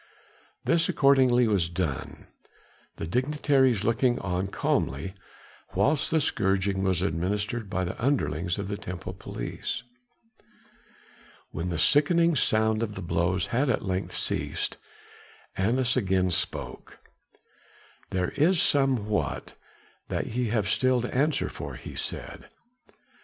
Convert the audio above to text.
This accordingly was done, the dignitaries looking on calmly whilst the scourging was administered by the underlings of the temple police. When the sickening sound of the blows had at length ceased, Annas again spoke. "There is somewhat that ye have still to answer for," he said.